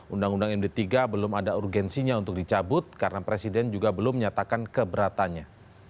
undang undang md tiga belum ada urgensinya untuk dicabut karena presiden juga belum menyatakan keberatannya